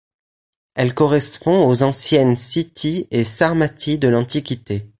Elle correspond aux anciennes Scythie et Sarmatie de l'Antiquité.